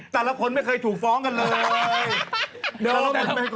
แต่เราควรไม่เคยอยู่กันเลย